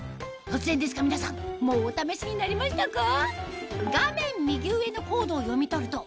突然ですが皆さんもうお試しになりましたか？